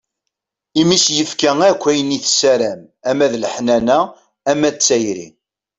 Imi i s-yefka akk ayen i tessaram ama d leḥnana, ama d tayri.